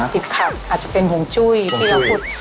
ติดขัดอาจจะเป็นห่วงจุ้ยที่เราพูด